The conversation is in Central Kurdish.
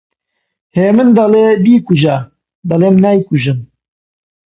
هێمن دەڵێ: بیکوژە! دەڵێم نایکوژم